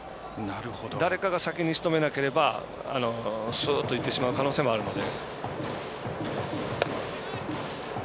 誰かが先にしとめなければスーッといってしまう可能性あるので。